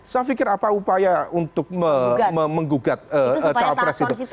saya pikir apa upaya untuk menggugat cawapres itu